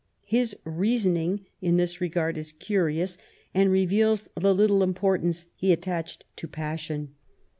His reasoning in this regard is curious, and reveals the little import ance he attached to passion.